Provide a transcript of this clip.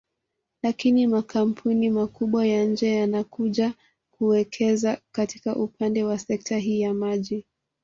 Lakini makampuni makubwa ya nje yanakuja kuwekeza katika upande wa sekta hii ya maji